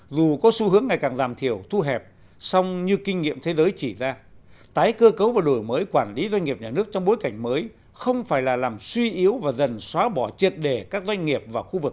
dù có xu hướng ngày càng giảm thiểu thu hẹp song như kinh nghiệm thế giới chỉ ra tái cơ cấu và đổi mới quản lý doanh nghiệp nhà nước trong bối cảnh mới không phải là làm suy yếu và dần xóa bỏ triệt đề các doanh nghiệp và khu vực